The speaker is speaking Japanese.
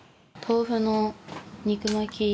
豆腐の肉巻き。